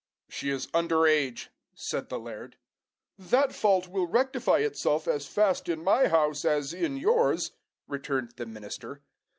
"She is under age," said the laird. "That fault will rectify itself as fast in my house as in yours," returned the minister.